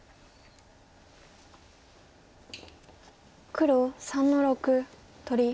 黒３の六取り。